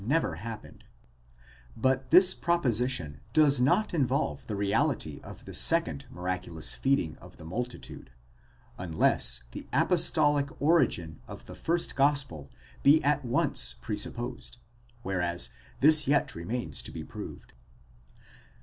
never happened :7 but this proposition does not involve the reality of the second miraculous feeding of the multitude, unless the apostolic origin of the first gospel be at once presupposed, whereas this yet remains to be proved.